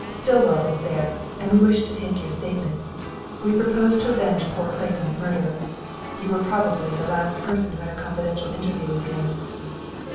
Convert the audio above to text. "Stillwell is there, and we wish to take your statement. We propose to avenge poor Clayton's murder. You were probably the last person who had a confidential interview with him."